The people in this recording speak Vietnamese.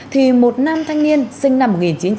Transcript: thì một nam thanh niên sinh năm một nghìn chín trăm chín mươi bảy